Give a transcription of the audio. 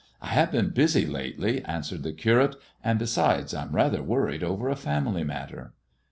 | "I have been busy to day," answered the Curate, "and, besides, Vm rather worried over a family matter."